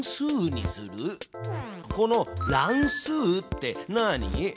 この乱数って何？